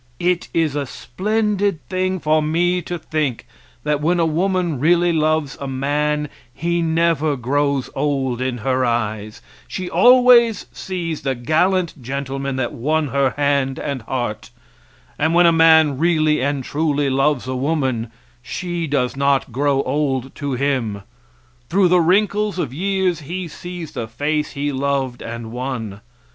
It is a splendid thing for me to think that when a woman really loves a man he never grows old in her eyes; she always sees the gallant gentleman that won her hand and heart; and when a man really and truly loves a woman she does not grow old to him; through the wrinkles of years he sees the face he loved and won.